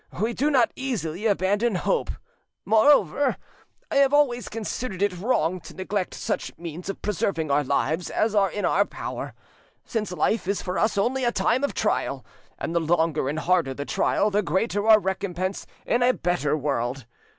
We do not easily abandon hope; moreover, I have always considered it wrong to neglect such means of preserving our lives as are in our power, since life is for us only a time of trial, and the longer and harder the trial the greater our recompense in a better world.